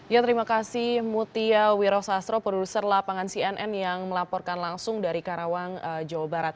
ya terima kasih mutia wirosastro produser lapangan cnn yang melaporkan langsung dari karawang jawa barat